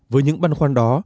với những băn khoăn đó